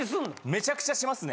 めちゃくちゃしますね。